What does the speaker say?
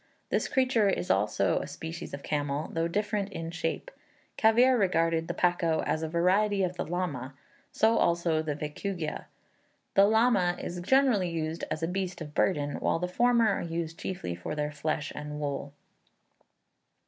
This creature is also a species of camel, though different in shape. Cavier regarded the paco as a variety of the llama; so also the vicugua. The llama is generally used as a beast of burden, while the former are used chiefly for their flesh and wool.